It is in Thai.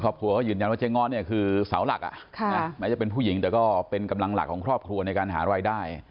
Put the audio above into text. ครอบครัวก็ยืนยันว่าเจ๊ง้อเนี่ยคือเสาหลักแม้จะเป็นผู้หญิงแต่ก็เป็นกำลังหลักของครอบครัวในการหารายได้